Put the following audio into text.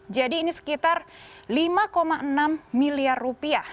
jadi ini sekitar lima enam miliar rupiah